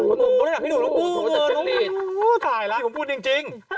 พี่หนูหนูหนูหนูถ่ายละผมพูดจริง